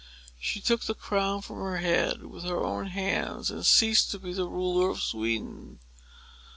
She took the crown from her head, with her own hands, and ceased to be the ruler of Sweden.